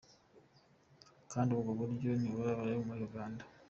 Kandi ubwo buryo ntiburabaho muri Uganda.